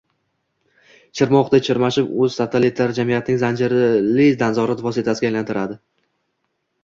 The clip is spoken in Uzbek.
chirmovuqday chirmab, “o‘ztotalitar” jamiyatning zanjirli nazorat vositasiga aylantiradi.